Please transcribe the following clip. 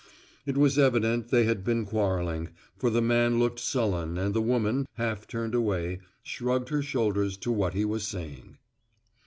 It was evident they had been quarreling, for the man looked sullen and the woman, half turned away, shrugged her shoulders to what he was saying.